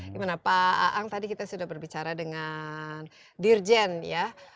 gimana pak aang tadi kita sudah berbicara dengan dirjen ya